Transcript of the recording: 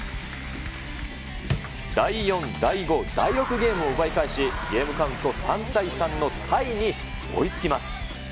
第４、第５、第６ゲームを奪い返し、ゲームカウント３対３のタイに追いつきます。